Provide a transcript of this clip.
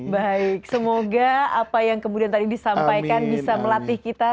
baik semoga apa yang kemudian tadi disampaikan bisa melatih kita